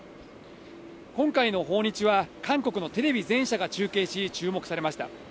今回の訪日は、韓国のテレビ全社が中継し、注目されました。